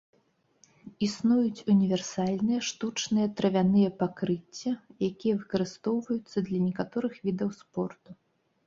Існуюць універсальныя штучныя травяныя пакрыцця, якія выкарыстоўваюцца для некалькіх відаў спорту.